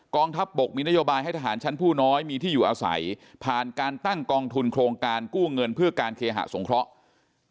ทัพบกมีนโยบายให้ทหารชั้นผู้น้อยมีที่อยู่อาศัยผ่านการตั้งกองทุนโครงการกู้เงินเพื่อการเคหะสงเคราะห์